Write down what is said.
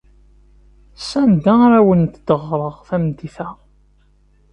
Sanda ara awent-d-ɣreɣ tameddit-a?